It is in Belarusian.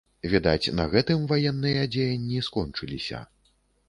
Відаць, на гэтым ваенныя дзеянні скончыліся.